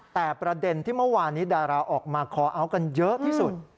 แต่ประเด็นที่เมื่อวานนี้ดาราออกมาคอเอาท์กันเยอะที่สุด